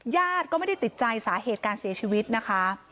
ญาติก็ไม่ได้ติดใจสาเหตุการเสียชีวิตนะคะ